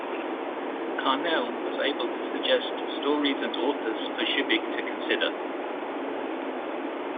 Carnell was able to suggest stories and authors for Shubik to consider.